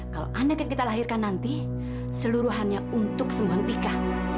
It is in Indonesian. kalau anak yang kita lahirkan nanti seluruhannya untuk sembuhan tika